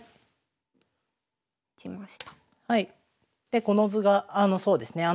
でこの図がそうですね